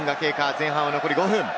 前半残り５分。